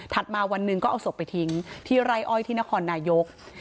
มาวันหนึ่งก็เอาศพไปทิ้งที่ไร่อ้อยที่นครนายก